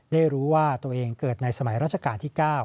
ได้รู้ว่าตัวเองเกิดในสมัยราชการที่๙